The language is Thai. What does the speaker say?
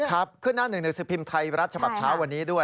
ครับขึ้นหน้า๑๑๑สปีมไทยรัฐฉบับเช้าวันนี้ด้วย